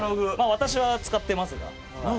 私は使ってますが。